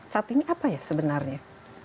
saat ini apa ya sebenarnya